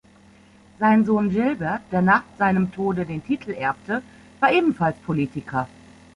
Sein Sohn Gilbert, der nach seinem Tode den Titel erbte, war ebenfalls Politiker.